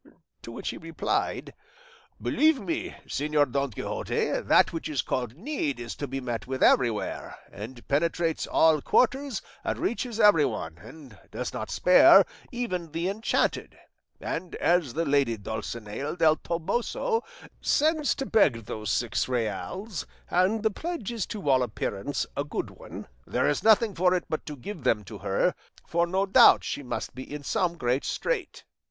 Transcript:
To which he replied, 'Believe me, Señor Don Quixote, that which is called need is to be met with everywhere, and penetrates all quarters and reaches everyone, and does not spare even the enchanted; and as the lady Dulcinea del Toboso sends to beg those six reals, and the pledge is to all appearance a good one, there is nothing for it but to give them to her, for no doubt she must be in some great strait.